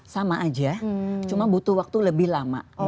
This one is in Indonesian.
sama aja cuma butuh waktu lebih lama